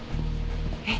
えっ？